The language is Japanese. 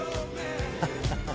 「ハハハハ」